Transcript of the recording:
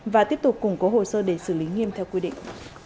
và tiếp tục củng cố hồ sơ để xử lý nghiêm theo quy định